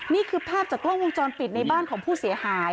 นี่คือภาพจากกล้องวงจรปิดในบ้านของผู้เสียหาย